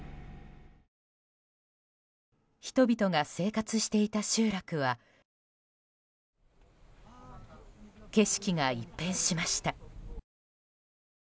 人々が生活していた集落は景色が一変しました。